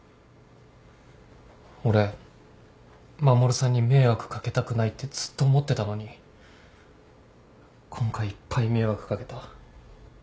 俺衛さんに迷惑かけたくないってずっと思ってたのに今回いっぱい迷惑かけた。